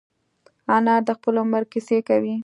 انا د خپل عمر کیسې کوي